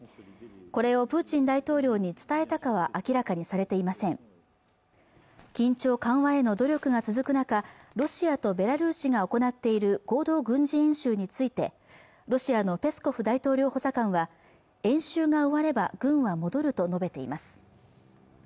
これをプーチン大統領に伝えたかは明らかにされていません緊張緩和への努力が続く中ロシアとベラルーシが行っている合同軍事演習についてロシアのペスコフ大統領補佐官は演習が終われば軍は戻ると述べています